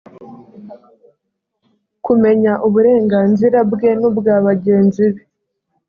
kumenya uburenganzira bwe n’ubwa bagenzi be